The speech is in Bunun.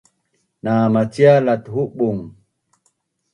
na macial at humung